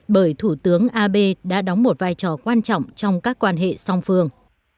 bởi thủ tướng abe đã đóng một vai trò quan trọng trong các quan hệ song phương